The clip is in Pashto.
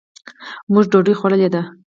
مونږ ډوډۍ خوړلې ده.